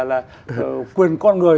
là quyền con người